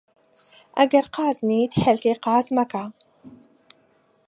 ئەگەر قازنیت، هێلکەی قاز مەکە